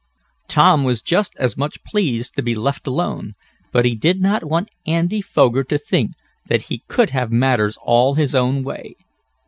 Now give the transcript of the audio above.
Tom was just as much pleased to be left alone, but he did not want Andy Foger to think that he could have matters all his own way.